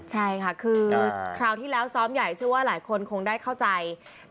ใช่ค่ะคือคราวที่แล้วซ้อมใหญ่เชื่อว่าหลายคนคงได้เข้าใจ